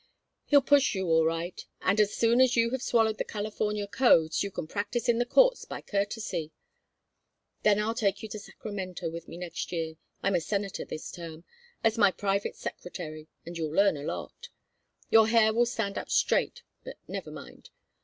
He'll push you all right, and as soon as you have swallowed the California codes you can practise in the courts by courtesy. Then I'll take you to Sacramento with me next year I'm a senator this term as my private secretary, and you'll learn a lot. Your hair will stand up straight, but never mind.